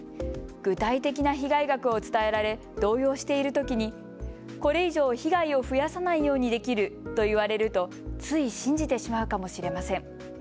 具体的な被害額を伝えられ動揺しているときにこれ以上被害を増やさないようにできると言われるとつい信じてしまうかもしれません。